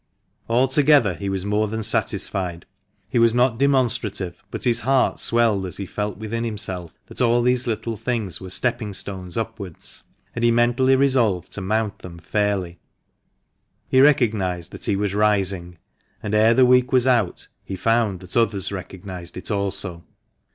'" Altogether he was more than satisfied. He was not demon strative, but his heart swelled as he felt within himself that all these little things were stepping stones upwards ; and he mentally resolved to mount them fairly. He recognised that he was rising, and ere the week was out he found that others recognised it also.